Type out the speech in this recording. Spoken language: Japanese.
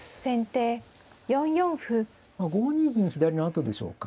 ５二銀左のあとでしょうか。